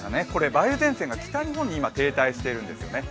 梅雨前線が北日本に今、停滞しているんですね。